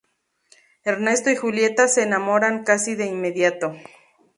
Ernesto y Julieta se enamoran casi de inmediato.